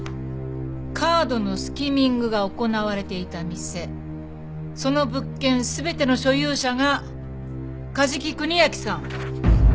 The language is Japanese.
カードのスキミングが行われていた店その物件全ての所有者が梶木邦昭さん